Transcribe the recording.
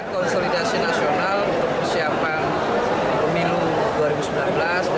konsolidasi nasional untuk persiapan pemilu dua ribu sembilan belas